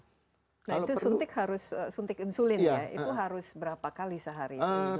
nah itu suntik harus suntik insulin ya itu harus berapa kali sehari